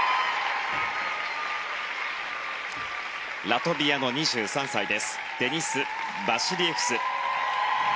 ラトビアの２３歳デニス・バシリエフス。